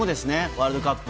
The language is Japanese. ワールドカップ